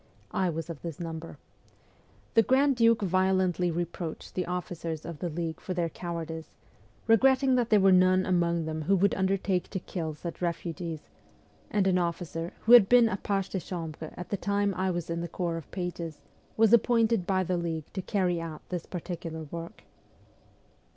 I was of this number. The grand duke violently reproached the officers of the league for their cowardice, regretting that there were none among them who would undertake to kill such refugees ; and an officer, who had been a page de chambre at the time I was in the corps of pages, was appointed by the league to carry out this particular work.